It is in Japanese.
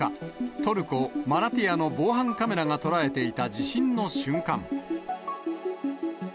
トルコ・マラティヤの防犯カメラが捉えていた地震の瞬間。